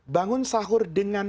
bangun sahur dengan